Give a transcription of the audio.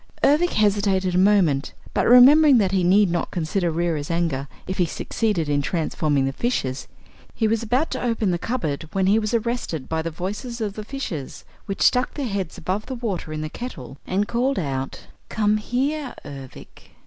Ervic hesitated a moment but, remembering that he need not consider Reera's anger if he succeeded in transforming the fishes, he was about to open the cupboard when he was arrested by the voices of the fishes, which stuck their heads above the water in the kettle and called out: "Come here, Ervic!"